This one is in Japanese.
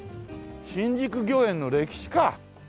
新宿御苑の歴史か。